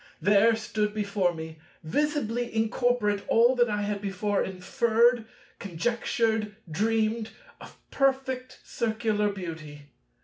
There stood before me, visibly incorporate, all that I had before inferred, conjectured, dreamed, of perfect Circular beauty.